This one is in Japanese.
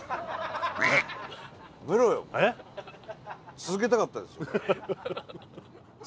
続けたかったですよ。